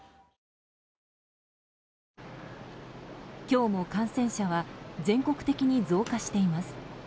今日も感染者は全国的に増加しています。